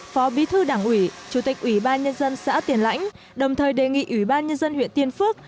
phó bí thư đảng ủy chủ tịch ủy ban nhân dân xã tiền lãnh đồng thời đề nghị ủy ban nhân dân huyện tiên phước